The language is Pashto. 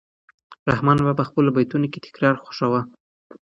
رحمان بابا په خپلو بیتونو کې تکرار خوښاوه.